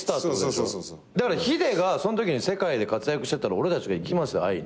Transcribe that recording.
だからヒデがそのときに世界で活躍してたら俺たちが行きます会いに。